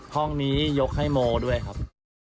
ห้องนี้ยกให้โมด้วยครับ